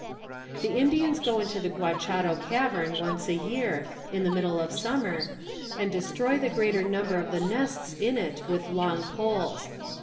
The Indians go into the Guacharo cavern once a year, in the middle of summer, and destroy the greater number of the nests in it with long poles.